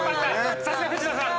さすが藤田さん。